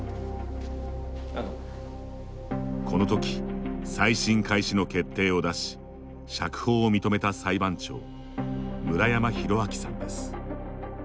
このとき再審開始の決定を出し釈放を認めた裁判長村山浩昭さんです。